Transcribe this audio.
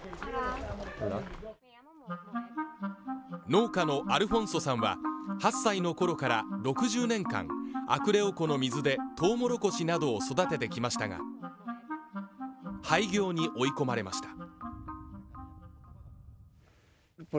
農家のアルフォンソさんは８歳のころから６０年間アクレオ湖の水でとうもろこしなどを育ててきましたが廃業に追い込まれました